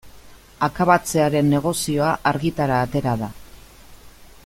Akabatzearen negozioa argitara atera da.